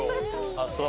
あっそう。